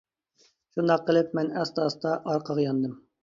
شۇنداق قىلىپ مەن ئاستا-ئاستا ئارقىغا ياندىم.